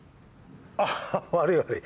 あっ悪い悪い。